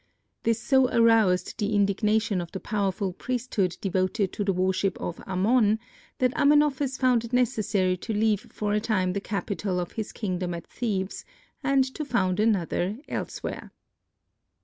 This so aroused the indignation of the powerful priesthood devoted to the worship of Amon, that Amenophis found it necessary to leave for a time the capital of his kingdom at Thebes and to found another elsewhere.